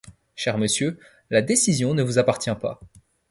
Cher Monsieur, la décision ne vous appartient pas.